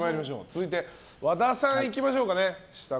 続いて和田さん行きましょうか。